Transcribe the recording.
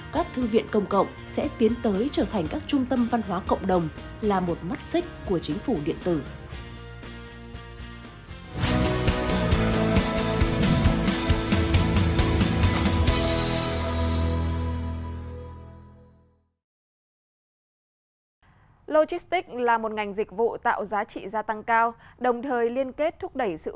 các thư viện công cộng sẽ tiến tới trở thành các trung tâm văn hóa cộng đồng là một mắt xích của chính phủ điện tử